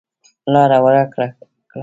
لاره ورکه کړه.